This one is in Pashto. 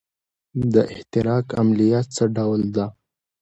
د احتراق عملیه څه ډول ده.